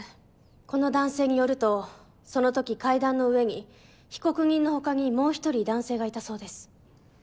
この男性によるとその時階段の上に被告人の他にもう１人男性がいたそうです。